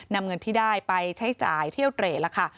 นำเงินที่ได้ไปใช้จ่ายเที่ยวเตรดแล้วค่ะ